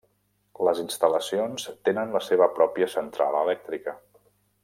Les instal·lacions tenen la seva pròpia central elèctrica.